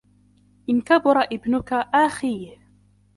إن كبر ابنك آخيه